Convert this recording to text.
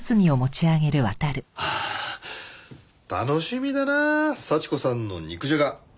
ああ楽しみだな幸子さんの肉じゃが。